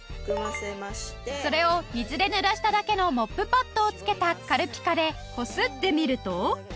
それを水でぬらしただけのモップパッドを付けた軽ピカでこすってみると。